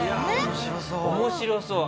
面白そう！